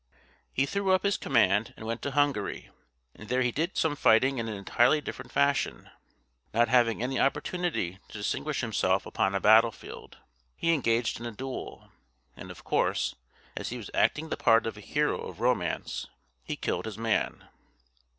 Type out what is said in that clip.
He threw up his command and went to Hungary, and there he did some fighting in an entirely different fashion. Not having any opportunity to distinguish himself upon a battlefield, he engaged in a duel; and of course, as he was acting the part of a hero of romance, he killed his man.